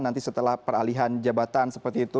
nanti setelah peralihan jabatan seperti itu